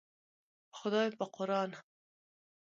په خدای په قوران.